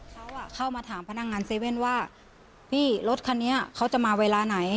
เขาเข้ามาถามพนักงาน๗๑๑ว่าพี่รถคันนี้เขาจะมาเวลาไหน